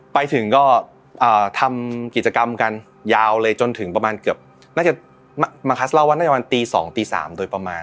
ไปถึงก็ทำกิจกรรมกันยาวเลยจนถึงประมาณเกือบน่าจะมาคัสเล่าว่าน่าจะประมาณตี๒ตี๓โดยประมาณ